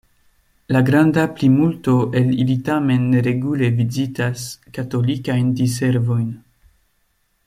La granda plimulto el ili tamen ne regule vizitas katolikajn diservojn.